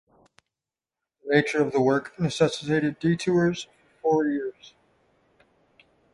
The nature of the work necessitated detours for four years.